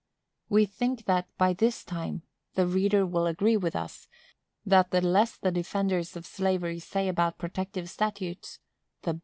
We think that, by this time, the reader will agree with us, that the less the defenders of slavery say about protective statutes, the better.